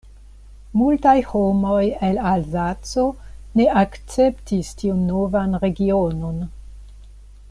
Multaj homoj el Alzaco ne akceptis tiun novan regionon.